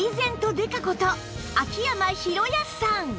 刑事こと秋山博康さん